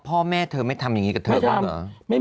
พ่อแม่เธอไม่ทำอย่างนี้กับเธอบ้างเหรอ